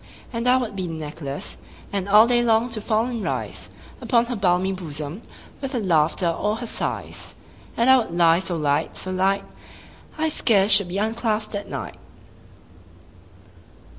And I would be the necklace, And all day long to fall and rise Upon her balmy bosom, 15 With her laughter or her sighs: And I would lie so light, so light, I scarce should be unclasp'd at night.